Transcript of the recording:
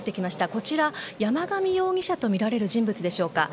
こちら、山上容疑者とみられる人物でしょうか。